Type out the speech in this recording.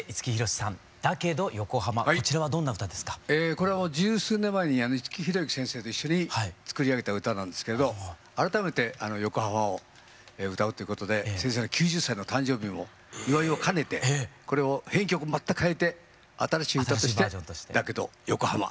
これを十数年前に五木寛之先生と一緒に作り上げた歌なんですけど改めてＹＯＫＯＨＡＭＡを歌うということで先生の９０歳の誕生日の祝いを兼ねてこれを編曲全く変えて新しい歌として「だけどＹＯＫＯＨＡＭＡ」